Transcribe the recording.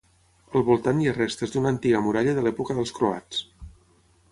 Al voltant hi ha restes d'una antiga muralla de l'època dels croats.